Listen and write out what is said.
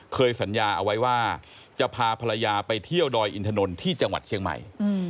เคยสัญญาเอาไว้ว่าจะพาภรรยาไปเที่ยวดอยอินถนนที่จังหวัดเชียงใหม่